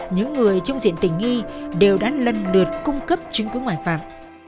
những người trung diện tình nghi đều đã lần lượt cung cấp chứng cứ ngoại phạm